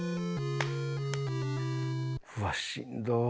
うわっしんどっ！